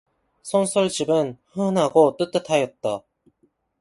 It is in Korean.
선술집은 훈훈하고 뜨뜻하였다.